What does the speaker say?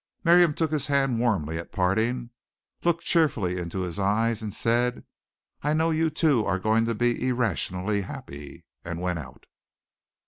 Miriam took his hand warmly at parting, looked cheerfully into his eyes, and said, "I know you two are going to be irrationally happy," and went out.